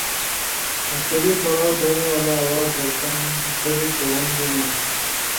مختلف پڑھاؤ تھونُو والا آواز در کم کھری گہون بیِنُو۔